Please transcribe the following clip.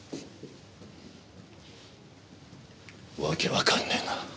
わけわかんねえな。